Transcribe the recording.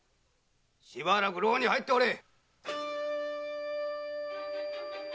しばらく牢に入っておれ！